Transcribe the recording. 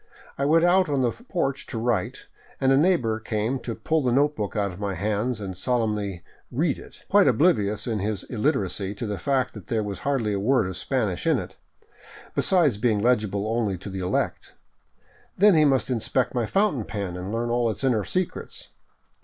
I went out on the porch to write, and a neighbor came to pull the note book out of my hands and sol emnly " read " it, quite oblivious in his illiteracy to the fact that there was hardly a word of Spanish in it, besides being legible only to the elect. Then he must inspect my fountain pen and learn all its inner secrets.